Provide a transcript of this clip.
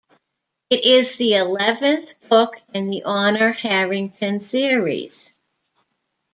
It is the eleventh book in the Honor Harrington series.